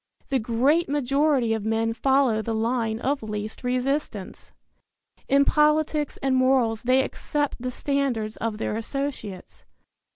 The great majority of men follow the line of least resistance. In politics and morals they accept the standards of their associates.